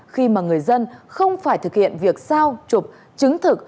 khi mà người dân không phải thực hiện việc sao chụp chứng thực